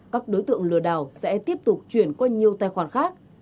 các đối tượng lừa đảo sẽ tiếp tục chuyển qua nhiều tài khoản khác